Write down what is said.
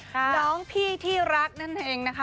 น้องพี่ที่รักนั่นเองนะคะ